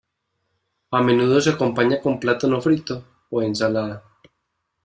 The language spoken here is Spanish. A menudo se acompaña con plátano frito o ensalada.